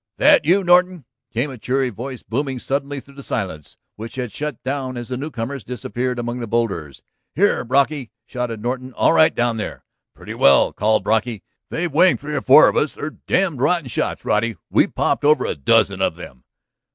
"That you, Norton?" came a cheery voice booming suddenly through the silence which had shut down as the newcomers disappeared among the boulders. "Here, Brocky!" shouted Norton. "All right down there?" "Pretty well," called Brocky. "They've winged three or four of us ... they're damned rotten shots, Roddy. We've popped over a dozen of them."